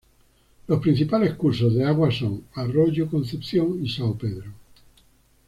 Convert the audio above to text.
Los principales cursos de agua son: Arroyo Concepción y São Pedro.